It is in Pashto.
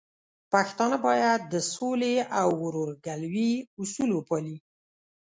پښتانه بايد د سولې او ورورګلوي اصول وپالي.